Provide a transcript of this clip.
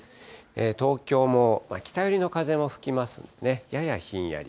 東京も北寄りの風も吹きますので、ややひんやり。